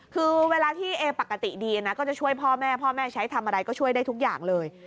คือเวลาที่เอปกติดีนะก็จะช่วยพ่อแม่พ่อแม่ใช้ทำอะไรก็ช่วยได้ทุกอย่างเลย